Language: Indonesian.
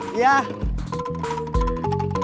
kamu ketemu saya